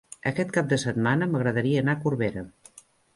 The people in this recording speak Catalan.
Aquest cap de setmana m'agradaria anar a Corbera.